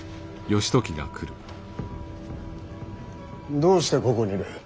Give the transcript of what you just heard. どうしてここにいる。